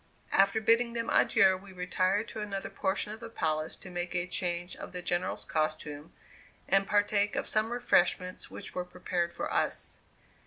After bidding them adieu, we retired to another portion of the palace to make a change of the General's costume, and to partake of some refreshments which were prepared for us.